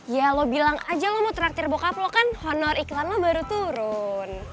ya lo bilang aja lo mau traktir bokap lo kan honor iklan lo baru turun